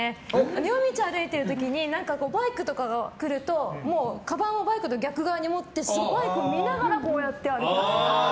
夜道を歩いてる時にバイクとかが来るとカバンをバイクと逆側に持ってすごい見ながらこうやって歩きます。